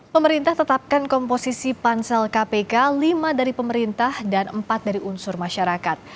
pemerintah tetapkan komposisi pansel kpk lima dari pemerintah dan empat dari unsur masyarakat